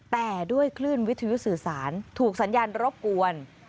แต่ด้วยคลื่นวิทยุสื่อสารถูกสัญญาณรบกวน